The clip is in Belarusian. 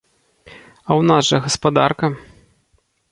А ў нас жа гаспадарка.